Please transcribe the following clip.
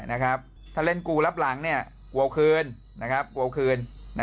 แน่นะครับถ้าเล่นกูรับหลังเนี่ยกว่าคืนนะครับกว่าคืนนะ